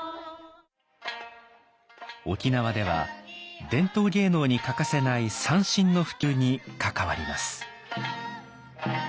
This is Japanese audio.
沖縄では伝統芸能に欠かせない三線の普及に関わります。